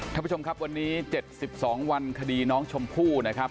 ท่านผู้ชมครับวันนี้๗๒วันคดีน้องชมพู่นะครับ